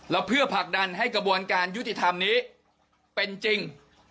แล้วเพื่อผลักดันให้กระบวนการยุติธรรมนี้เป็นจริง